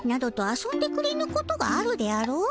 遊んでくれぬことがあるであろう。